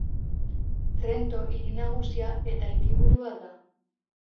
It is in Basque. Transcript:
Trento hiri nagusia eta hiriburua da.